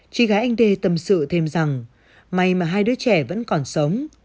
chị gái anh đê tâm sự thêm rằng may mà hai đứa trẻ vẫn còn sống